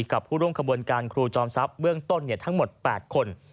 กับผู้ร่วมกับการครูจอมซับเบื้องต้นทั้งหมด๘คน